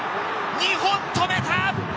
２本止めた！